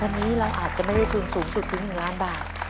วันนี้เราอาจจะไม่ได้ทุนสูงสุดถึง๑ล้านบาท